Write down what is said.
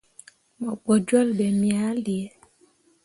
Mo gbo jolle be me ah liini.